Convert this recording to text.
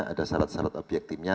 ada syarat syarat objektifnya